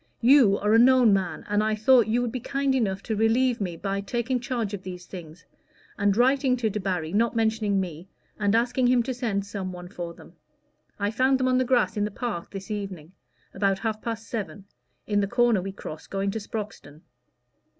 You are a known man, and I thought you would be kind enough to relieve me by taking charge of these things, and writing to Debarry, not mentioning me, and asking him to send some one for them. I found them on the grass in the park this evening about half past seven, in the corner we cross going to Sproxton."